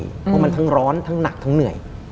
เพราะมันทั้งร้อนทั้งหนักทั้งเหนื่อย